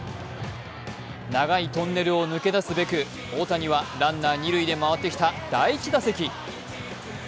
長いトンネルを抜け出すべく大谷はランナー二塁で回ってきた第１打席。